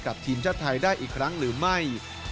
ทีมชาติไทยได้อีกครั้งหรือไม่